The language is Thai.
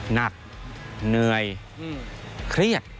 หนักเหนื่อยเครียด